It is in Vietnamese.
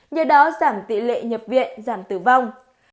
nhờ đó giảm tỷ lệ nhập viện giảm tử vong